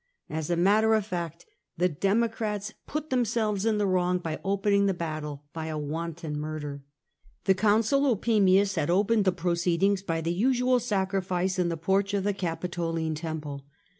As a matter of fact, the Democrats put themselves in the wrong by opening the battle by a wanton murder. The Consul Opimius had opened the proceedings by the usual sacrifice in the porch of the Capitoline temple.